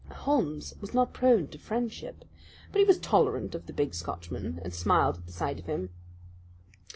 Holmes was not prone to friendship, but he was tolerant of the big Scotchman, and smiled at the sight of him.